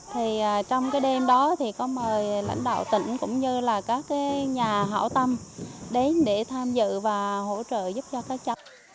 trong đêm đó có mời lãnh đạo tỉnh cũng như các nhà hảo tâm đến để tham dự và hỗ trợ giúp cho các cháu